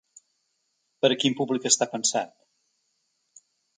Per a quin públic està pensat?